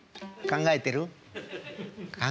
考えてる？